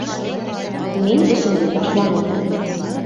Мин эшемде ташланым.